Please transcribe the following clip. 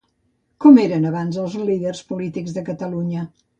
Com eren abans els líders polítics de Catalunya?